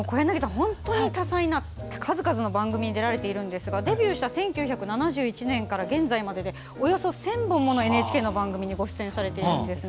本当に多彩な数々の数々の番組に出られているんですがデビューされた１９７１年から現在までおよそ１０００本ものＮＨＫの番組にご出演されているんですね。